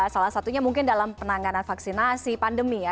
salah satunya mungkin dalam penanganan vaksinasi pandemi ya